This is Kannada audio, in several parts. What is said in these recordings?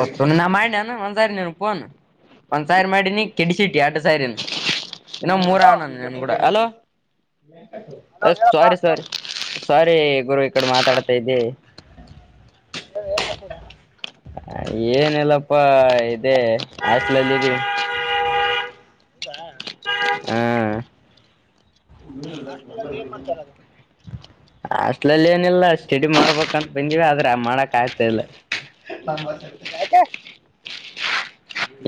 ವಸ್ತು ನಿ [unintelligible] ನ ಮಾಡ ನ ಅಂಜಾರ ಪೋನ್ ಒಂದ್ ಸಾರಿ ಮಾಡಿನಿ ಕೆಡಿಸಿಟ್ಟಿ [unintelligible] ಎಡು ಸರಿನ ಇನ್ನೋ ಮೂರ ಹಲೋ ಅವಾವ [unintelligible] ನಾನ ನನ್ ಕೂಡ ಹಲೋ ಹಲೋ ಅ ಹೇಳಪ್ಪ ಸಾರೀ ಸಾರೀ ಸಾರೀ ಗುರು ಈ ಕಡೆ ಮಾತಾಡ್ತಾ ಇದ್ದಿ ಹೇಳು ಏನ್ ಮಾಡ್ತೀರ ಏನಲ್ಲಪ್ಪಾ ಇದೆ ಆಸ್ಲಲ್ಲೀ [unintelligible] [unintelligible] ಹ್ಮ್ [unintelligible] ಹಾಸ್ಟೆಲಲ್ಲಿ ಏನ್ ಮಾಡ್ತಾರ ಅದು ಹಾಸ್ಟೆಲಲ್ಲಿ ಏನಿಲ್ಲ ಸ್ಟಡಿ ಮಾಡ್ಬೇಕ [unintelligible] ಕೊಂಡು ಬಂದವಿ ಆದ್ರೆ ಮಾಡಕ್ ಆಯತಾ ಇಲ್ಲ ಆಯ್ತಾ [unintelligible]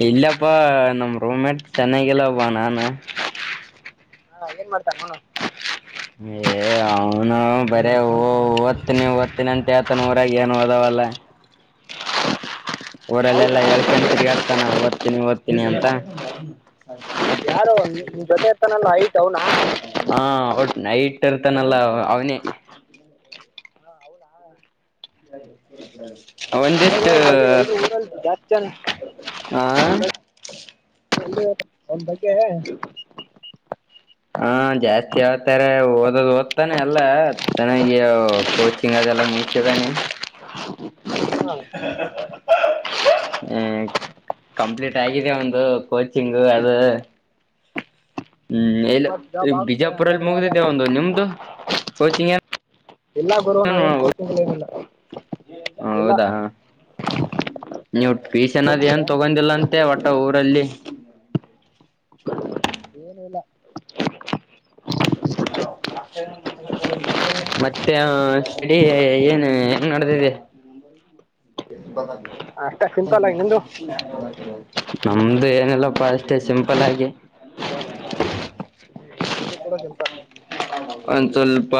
ಇಲ್ಲಪ್ಪಾ ನಮ್ಮ್ ರೂಮಮೇಟ್ ಚೆನ್ನೈಗೆಲ್ಲಬ [unintelligible] ನಾನು ಹಾ ಏನ್ ಮಾಡ್ತಾನ [unintelligible] ಏ ಅವನು ಬರ ಓ ಓದ್ತೀನಿ ಓದ್ತನಿ ಅಂತ ಹೇಳ್ತಾನ ಊರಾಗ ಏನು ಓದವಲ್ಲ ಊರಲ್ಲೆಲ್ಲ ಹೌದಾ ಹೇಳ್ಕೊಂಡ್ ತಿರ್ಗಾಡ್ [unintelligible] ನ [unintelligible] ಓದ್ತೀನಿ ಓದ್ತೀನಿ ಅಂತ ಯಾರು ನಿಮ ಜೊತೆ ಹತ್ತನಲ್ಲ ಹೈಟ್ [unintelligible] ಅವನ ಹಾ [unintelligible] ಇರ್ತಾನಲ್ಲ ಅವನೇ ಅವನಾ ಒಂದಿಷ್ಟು [unintelligible] ಜನ್ [inaudible] ಅ ಕ ಧಕ್ಕೆೆ ಹ ಹಾ ಜಾಸ್ತಿ ಆತಾರೆ ಓದೋದು ಓದ್ತಾನೆ ಎಲ್ಲ ಚೆನ್ನಾಗಿ ಕೋಚಿಂಗ್ ಅದೆಲ್ಲ ಮುಗಸಿದಾನಿ [inaudible] ಹ್ಮ ಕಂಪ್ಲೀಟ್ ಆಗಿದೆ ಒಂದು ಕೋಚಿಂಗು ಅದು. ಹ್ಮ್ ಅಂದ್ರೆ ಇಲ್ಲ ಇವತ್ತು ಜಾಬ್ ಈ ಆಗುತ್ತೆ ಬಿಜಾಪುರಲ್ಲಿ ಹಂಗಾದ್ರೆ ಮುಗ್ದಿದ್ದೆ ಯಾವ್ದಾದ್ರು ಒಂದು ನಿಮ್ದು ಕೋಚಿಂಗ್ ಏನು [unintelligible] ಎಲ್ಲ ಬರುವ ನಾವೇನ್ ಕೋಚಿಂಗ್ ಏನಿಲ್ಲ ಹ ಇಲ್ಲ ಹೌದಾ ನೀವು ಪೀಸ್ ಅನೋ್ ಮುಗಿದಿರಾ ಏನ್ ತಗೊಂಡಿಲ್ಲ ಅಂತೆ ಒಟ್ಟ ಊರಲ್ಲಿ ಏನು ಇಲ್ಲ ಮತ್ತೆ ಸಿಡಿ ಏನು ಹೆಂಗ ನಡ್ದಿದೆ ಬ. ಅಷ್ಟೇ ಹ ಸಿಂಪಲ್ ಆಗಿ ನಿಂದು ನಮ್ದು ಏನಲ್ಲಪ್ಪ ಅಷ್ಟೆ ಸಿಂಪಲ್ ಆಗಿ [unintelligible] ಇದು ಕೂಡ ಸಿಂಪಲ್ ಎ [unintelligible] ಒಂದು ಸ್ವಲ್ಪ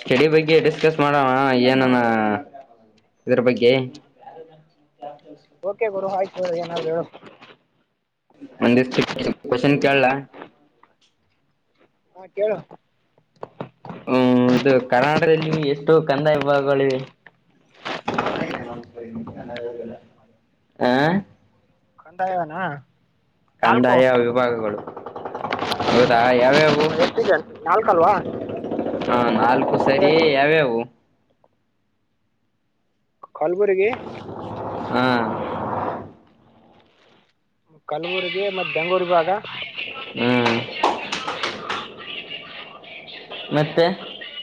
ಸ್ಟಡಿ ಬಗ್ಗೆ ಡಿಸ್ಕಸ್ ಮಾಡಣ ಏನಾನ ಇದ್ರ ಬಗ್ಗೆ [unintelligible] ಓಕೆ ಗುರು ಆಯ್ತು ಹ ಏನಾದ್ರರು ಒಂದಿಷ್ಟು ಕ್ವಶನ್ ಕೇಳಲ ಹಾ ಕೇಳು. ಹ್ಮ ಇದು ಕರ್ನಾಟಕದಲ್ಲಿ ಎಷ್ಟು ಕಂದ ವಿಭಾಗಗಳಿವೆ ಹ. ಕಂಡ ಇವಾನ. ಕಂದಾಯ ವಿಭಾಗಗಳುಗಳು ಹೌದಾ [unintelligible] ಎತ್ತಿಗೆ ಉಂಟು ನಾಲ್ಕಲ್ವಾ [unintelligible] ಹಾ ನಾಲ್ಕು ಹ ಅಂದ್ರೆ ಸರಿ ಯ ಅವವು ಕಲ್ಬುರ್ಗಿ ಹಾ ಕಲ್ಬುರ್ಗ ಮತ್ತ ಬೆಂಗಳೂರ ವಿಭಾಗ ಹ್ಮ್ [unintelligible] ಮತ್ತೆ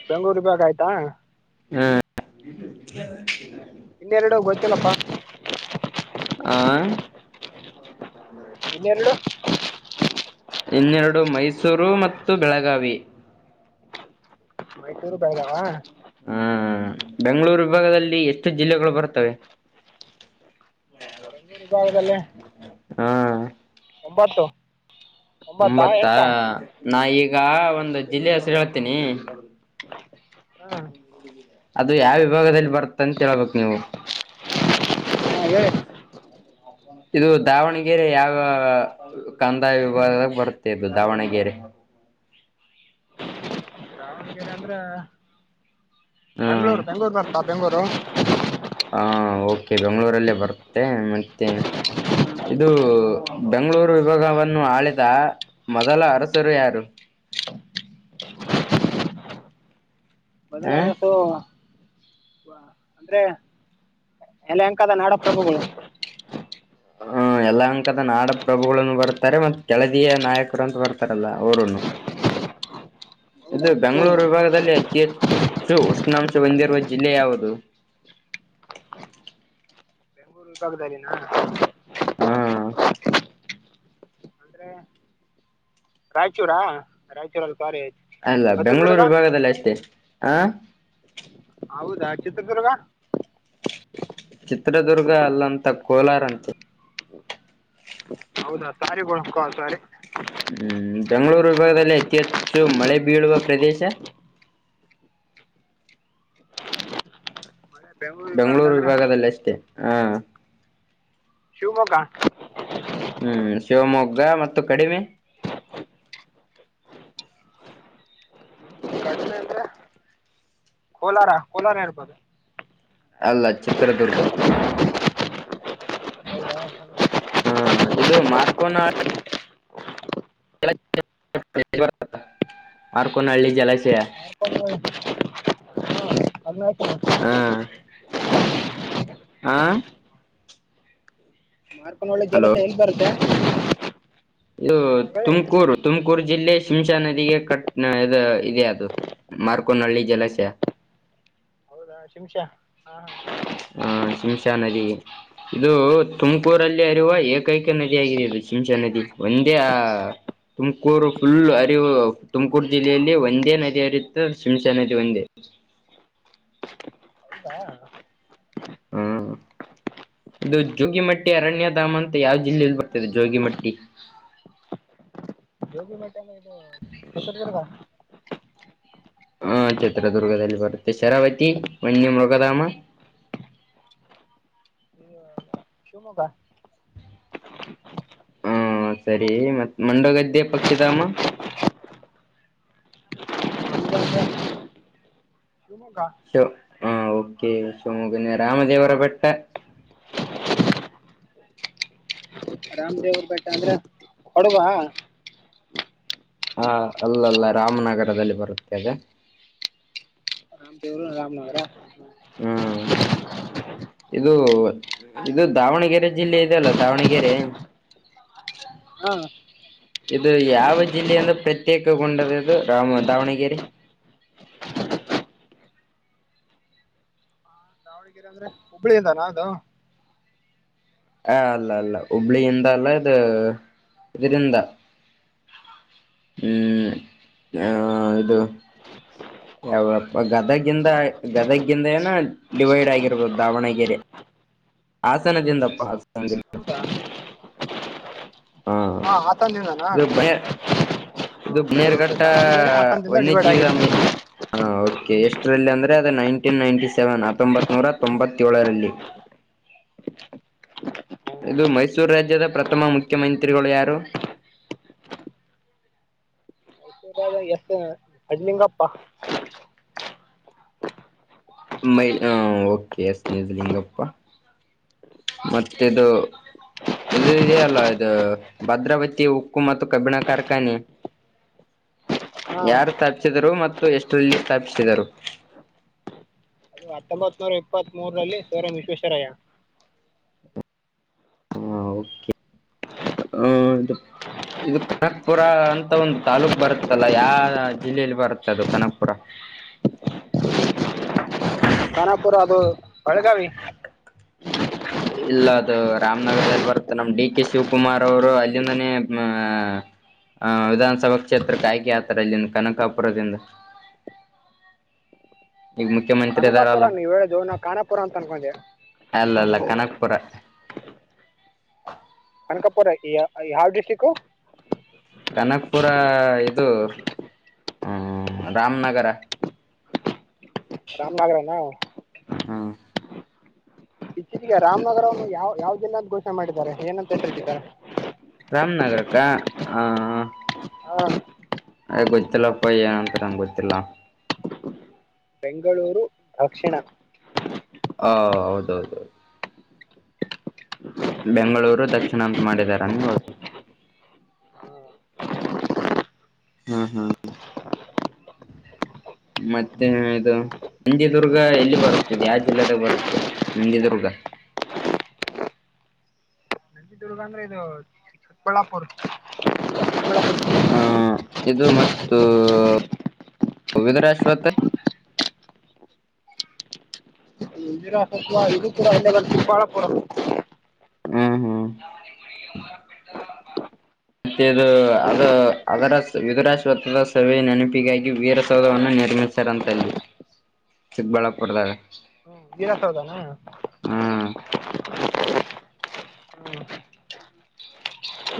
ಬೆಂಗಳೂರಿಗೆ ವಿಬಾಗ ಆಯ್ತಾ ಹಾ ಇನ್ನೆರೆಡು ಗೊತ್ತಿಲ್ಲಪ್ಪಾ ಆ ಇನ್ನೆರಡು ಇನ್ನೆರಡು ಮೈಸೂರು ಮತ್ತು ಬೆಳಗಾವಿ ಮೈಸೂರ್ ದಾಗ ಹಾ ಹಾ ಬೆಂಗಳೂರು ವಿಭಾಗದಲ್ಲಿ ಎಷ್ಟು ಜಿಲ್ಲೆಗಳು ಬರ್ತವೆ ನಿಮ್ಮ ಭಾಗದಲ್ಲಿ ಹಾ ಒಂಬತ್ತು ಒಂಬತ್ತಾ ಎಂಟಾ ಹಾಂ ನಾ ಈಗ ಒಂದು ಜಿಲ್ಲೆ ಹಸರು ಹೇಳ್ತೇನಿ [unintelligible] ಹಾ ಅದು ಯಾವ ವಿಭಾಗದಲ್ಲಿ ಬರ್ತ್ತ ಅಂತ ಹೇಳ್ಬೇಕು ನೀವು ಅದ ಇದು ದಾವಣಗೆರೆ ಯಾವ ಕಂದಾಯ ವಿಭಾಗಾ ಬರುತ್ತೆ ಇದು ದಾವಣಗೆರೆ ಏನಂದ್ರ ಹ್ಮ್ ಬೆಂಗಳೂರು ಬೆಂಗಳೂರ್ ಬೆಂಗಳೂರು ಹಾ ಓಕೆ ಬೆಂಗಳೂರಿಯಲ್ಲಿ ಬರುತ್ತೆ ಮತ್ತೆ ಇದು ಬೆಂಗಳೂರು ವಿಭಾಗವನ್ನು ಆಳಿದ ಮೊದಲ ಅರಸರು ಯಾರು ಹ ಮೊದಲಾರಸು ಹ ಅಂದ್ರೆ ಯಲಂಕಾದ ನಾಡಪ್ರಭುಗಳು ಹೂ ಯಲಂಕದ ನಾಡಪ್ರಭುಗಳನ್ನು ಬರ್ತಾರೆ ಮತ್ ಕೆಳದಿಯ ನಾಯಕರು ಅಂತ ಬರ್ತಾರಲ್ಲ ಅವರುನು ಹೌದಾ ಇದು ಹ್ಞೂ ಬೆಂಗಳೂರು ವಿಭಾಗದಲ್ಲಿ ಅತಿ ಶೂ ಉಷ್ಣಾಂಶವನ್ನುಹೊಂದಿರುವ ಜಿಲ್ಲೆ ಯಾವುದು ನಿಮ್ರೂ ವಿಭಾಗದಲ್ಲಿನ ಹೂ ಅಂದ್ರೆ ರಾಯಚೂರಾ ರಾಯಚೂರಲ್ಲಿ ಕಾರಿ ಆು ಅಲ್ಲ ಬೆಂಗಳೂರು ವಿಭಾಗದಲ್ಲಿ ಅಷ್ಟೇ ಹ ಹೌದಾ ಚಿತ್ರದುರ್ಗ ಚಿತ್ರದುರ್ಗ ಅಲ್ಲಾಂತ ಕೋಲಾರಂತೆ ಹೌದಾ ಸರಿ ಬಿಡಪ್ಪ ಸರಿ ಹೂ ಬೆಂಗಳೂರು ವಿಭಾಗದಲ್ಲಿ ಅತಿ ಹೆಚ್ಚು ಮಳೆ ಬೀಳುವ ಪ್ರದೇಶ ಬೆಂಗ್ಳೂರು ಬೆಂಗಳೂರು ವಿಭಾಗದಂದ್ರೆ ವಿಭಾಗದಲ್ಲಿ ಅಷ್ಟೇ ಹ ಶಿವಮೊಗ್ಗ ಹೂ ಶಿವಮೊಗ್ಗ ಮತ್ತು ಕಡಿಮೆ ಕಡಿಮೆ ಅಂದ್ರೆ ಕೋಲಾರ ಕೋಲಾರ ಇರ್ಬೋದು ಅಲ್ಲ ಚಿತ್ರದುರ್ಗ ಹಾ ಇದು ಮಾರ್ಕೊಂಡ ಆಕ ನ ಅಳ್ಳಲ್ಲಿ ಜಲಸ ಅದನ್ನ ಹಾ ಹಾ ಮಾರ್ಕೊಂಡ ಒಳ್ಳೆ ಹಲೋ ಕೆಲಸ ಎಲ್ಲಿ ಬರು್ದು. ಇದು ಹೇಳಿ ತುಮಕೂರು ತುಮಕೂ. ತುಮಕೂರು ಜಿಲ್ಲೆಶಿಂ್ಶಾ ನದಿಗೆ ಕಟ್ ಇದೆ ಅದು ಮಾರ್ಕೋನಹಳ್ಳಿ ಜಲಾಶಯ. ೌದಾ ಶಿಮಷಾ ಹಾ ಹ. ಹಹ ಶಂಶಾ ನದಿ ಇದು ತುಮಕೂರಲ್ಲಿ ಅರಿವ ಏಕೈಕ ನದಿಿಯಾಗಿದೆ ಇದು ಶಿಂಶಾ ನದಿ ಒಂದೇ ಆ ತುಮಕೂರು ಫುಲ್ ಅರಿವು ತುಮಕೂರು ಜಿಲ್ಲೆಯಲ್ಲಿ ಒಂದೇ ನದಿ ಅರಿಯುತ್ತೆ ಶಿಂಶಾ ನದಿ ಒಂದೇ. ಹ್ಮ ಇದು ಜೋಗಿಮಟ್ಟಿ ಅರಣ್ಯ ಧಾಮ್ ಅಂತ ಯಾವ್ ಜಿಲ್ಲೆಯಲ್ಲಿ ಬರ್ತದೆ ಜೋಗಿಮಟ್ಟಿ. ಹೋಗ. ಇದು ಗೊತ್ತರ್ತರ. ಹಾ ಚಿತ್ರದುರ್ಗದಲ್ಲಿದಲ್ಲಿ ಬರುತ್ತೆ ಶರಾವತಿ ಮನ್ಯ ಮೃಗಧಾಮ. ಇದು ಶಿವಮೊಗ್ಗ ಹಾ ಸರಿ ಮತ್ತ್ ಮಂಡಗದ್ದೆ ಪಕ್ಷಿಧಾಮ ಹ ಶನುಕ. ಹಾ ಓಕೆೋ ರಮಜೇವರಪಟ್ಟ. ರಾಮ್ ದೇವ್್ರ ಬೆಟ್ಟ ಅಂದ್ರೆ ಕೊಡುವ. ಹಾ ಅಲ್ಲ ಅಲ್ಲ ರಾಮನಗರದಲ್ಲಿ ಬರುತ್ತೇವೆ. ರಾಮದೇವ್ರು ರಾಮನಗರ. ಹ್ಮ ಇದು ಇದು ದಾವಣಗೆರೆ ಜಿಲ್ಲೆ ಇದೆಲ್ಲ ದಾವಣಗೆರೆ. ಹಾ. ಇದು ಯಾವ ಜಿಲ್ಲೆಯ ಅಂದ್ರ ಪ್ರತ್ಯೇಕಗೊಂಡದ ಇದು ರಾಮ ದಾವಣಗೆರೆ. ಂದ್ರೆ ಹುಬ್ಳಿ ಅದಾನ ಅದು. ಹ ಅಲ್ಲ ಅಲ್ಲ ಹುಬ್ಳ್ಳಿಯಿಂದ ಅಲ್ಲ ಇದು ಇದರಿಂದ ಹ್ಮ್. ಹ ಯಾವ್ದ್ರಿಂದ ಇದು. ಯಾವಪ್ಪ ಗದಗಿಂದ ಗದಗಿಂದ ಏನ ಡಿವೈಡ್ ಆಗಿರ್ಬೋದು ದಾವಣಗೆರೆ ಹಾಸನದಿಂದಪ್ಪ ಹ. ಹೌದಾ ಹಾ ಇದು ಬ ಇದು ಹ್ಮ್ ಸರಿ ಓಕೆ ನೇರ್ಘಟ್ಟ ದಾವಣಗೆರೆ ಹಾಸನದಿಂದ ಡಿವೈಡ್ ವನ್ಯಜೀವಿಿದ ಆಗಿದೆ ಮೈ ಹ. ಎಷ್ಟರಲ್ಲಿ ಅಂದ್ರೆ ಅದು ನೈನ್ಟೀನ್ ನೈನ್ಟಿ ಸೆವೆನ್ ಹತ್ತೊಂಬತ್ ನೂರ ತೊಂಬತ್ತಏಳರಲ್ಲಿ. ಇದು ಮೈಸೂರು ರಾಜ್ಯದ ಪ್ರಥಮ ಮುಖ್ಯಮಂತ್ರಿಗಳು ಯಾರು. ಎಸ್ ಅಡ್್ಲಿಂಗಪ್ಪ. ಮೈ ಹ ಓಕೆ ಎಸ್ ನಿಜಲಿಂಗಪ್ಪ. ಮತ್ತ ಇದು ಇ ಇದ ಅಲ್ಲ ಇದು ಭದ್ರಾವತಿ ಉಕ್ಕು ಮತ್ತು ಕಬ್ಬಿಣ ಕಾರ್ಖಾನೆ ಹಾ ಯಾರು ಸ್ಥಾಪಿಸಿದರು ಮತ್ತು ಎಷ್ಟರಲ್ಲಿ ಸ್ಥಾಪಿಸಿದರು. ಅದು ಹತ್ತೊಂಬತ್ ನೂರ ಇಪ್ಪತ್ ಮೂರಲ್ಲಿ ಸಿವರಂ ವಿಶ್ವೇಶ್ವರಯ್ಯ. ಹಾೆದು ಇದು ಕನಕ್ಪುರ ಅಂತ ಒಂದು ತಾಲೂಕ್ು ಬರುತ್ತಲ್ಲ ಯಾ ಜಿಲ್ಲೆಯಲ್ಲಿ ಬರುತ್ತೆ ಅದು ಕನಕ್ಪುರ. ಕಖಾನಾಪುರ ಅದು ಬೆಳಗಾವಿ. ಇಲ್ಲ ಅದು ರಾಮನಗರದಲ್ಲಿ ಬರುತ್ತೆ ನಮ ಡಿ ಕೆ ಶಿವಕುಮಾರ್ ಅವರು ಅಲ್ಲಿಂದನೇ ಅ ವಿಧಾನಸಭಾ ಕ್ಷೇತ್ರಕ್ಕೆ ಆಯ್ಕಿ ಆತಾರೆ ಅಲ್ಲಿಂದ ಕನಕಾಪುರದಿಂದ. ಈಗ ಮುಖ್ಯಮಂತ್ರಿ ಕನಕಾಪುರ ಇದಾರಲ್ಲ ನೀವ್ ಹೇಳದು ನಾವು ಕಾನಾಪುರ ಅಂತ ಅನ್ಕೊಂಡೆ. ಕಣಕ್ ಪರ. ಅನಕಪುರ ಯಾವ ಡಿಸ್ಟಿಕ್ು. ಕನಕ್ಪುರ ಇದು ರಾಮನಗರ. ರಾಮನಗರ ನ. ಹ್ಮ್ ಇದಗ ರಾಮನಗರವನ್ನು ಯಾವ ಯಾವ್ದ. ಎಲ್ಲಾದ್ ಘೋಷೆ ಮಾಡಿದ್ದಾರೆ ಏನಂತ ಹೇಳ್ತಿದ್ದಾರೆ. ರಾಮನಗರ್ಕ್ಕಾ ಹ ಹಾ ಅ ಗತ್ತಲ್ಲ ಪಯಿ ಏಂತರ ಗತ್ತಲ್ಲಾ ಬೆಂಗಳೂರು ದಕ್ಷಿಣ ಹ ಹೌದೌದೌದು ಬೆಂಗಳೂರು ದಕ್ಷಿಣ ಅಂತ ಮಾಡಿದಾರ ನೀ ಹದು ಹಾ ಹಾ ಮತ್ತೆ ಇದು ನಜಿಿದದುರ್ಗ ಎಲ್ಲಿ ಬರುತ್ತದೆ ಯಾವ ಜಿಲ್ಲದಾಗ ಬರುತ್ತೆ ನಜಿದುರ್ಗ ಚಿತ್ರದುರ್ಗ ಅಂದ್ರೆ ಇದು ಚಿಕ್ಕಬಳ್ಳಾಪುರ ಹಾ ಇದು ಮತ್ತು ವಿದರಾಶ್ಪತ್ರೆ ನಿರಾಸತ್ವ ಇದು ಕೂಡ ಚಿಕ್ಕಬಳ್ಳಾಪುರ. ಹ್ಮ್ ಹ್ಮ್ ಮತ್ತದು ಅದು ಅದರ ವಿಿದುರಾಶ್ವತ್ದ ಸವೆಯ ನೆನಪಿಗಾಗಿ ವೀರಸೌಧವವನ್ನು ನಿರ್ಮಿಸಾರಂತಲ್ಲಿ ಚಿಕ್ಕಬಳ್ಳಾಪುರದ. ಹ್ಮ ವಿರ ಸೌಧಾನ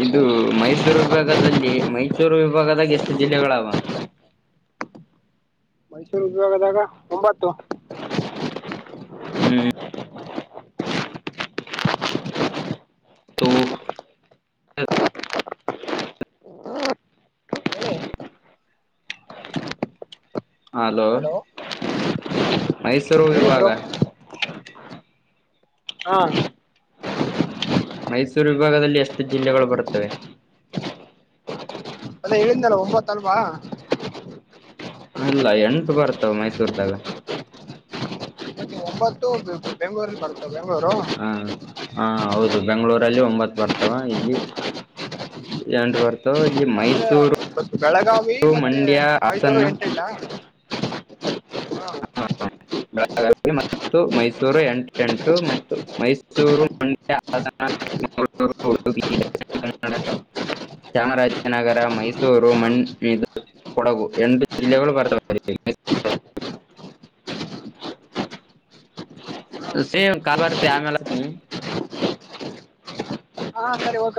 ಇದು ಮೈಸೂರು ವಿಭಾಗದಲ್ಲಿ ಮೈಸೂರು ವಿಭಾಗದಾಗ ಎಷ್ಟು ಜಿಲ್ಲೆಗಳಾವ ಮೈಸೂರು ವಿಭಾಗದಾಗ ಒಂಬತ್ತು ಹ್ಮ ಟು ಹ ಹಲೋ ಮ ಸೂರು ಹೇಳಿ ವಿಭಾಗ ಬ್ರೋ ಹಾ ಮೈಸೂರು ವಿಭಾಗದಲ್ಲಿ ಎಷ್ಟು ಜಿಲ್ಲೆಗಳು ಬರುತ್ತವೆ ಅದೇ ಹೇಳಿಂದಲ್ ಒಂಬತ್ತ ಅಲ್ವಾ ಅಲ್ಲ ಎಂಟು ಬರ್ತಾವ ಮೈಸೂರ್ದಾಗ ಮತ್ತೆ ಒಂಬತ್ತು ಬೆಂ್ಗಳೂರಲ್ಲಿ ಬರ ಹಾ ಹಾ ಹೌದು ಬೆಂಗಳೂರಲ್ಲಿ ಒಂಬತ್ತು ಬರ್ತಾವ ಇಲ್ಲಿ ಎಂಟ ಬರ್ತಾವ ಇಲ್ಲಿ ಅಂದ್ರೆ ಮೈಸೂರು ಬೆಳಗಾವಿ ಮತ್ತೆ ಮಂಡ್ಯ ಮೈಸೂರು ಹಾಸನ ಎಂಟೆಂಟ ಹಾ ಬೆಳಗಾವಿ ಮತ್ತು ಮೈಸೂರು ಎಂಟ ಎಂಟು ಮತ್ತು ಮೈಸೂರು ಮಂಡ್ಯ ಹಾಸನ ಉಡುಪಿ ದಿಣ ಕನ್ನಡ ಚಾಮರಾಜನಗರ ಮೈಸೂರು ಮಣದು ಕೊಡಗು ಎಂಟು ಜಿಲ್ಲೆಗಳು ಬರ್ತವೆ ಸೇಮ ಕಬಾರತ ಆಮ್ಯಲ ನೀ ಹಾ ಸರಿ ಓಕ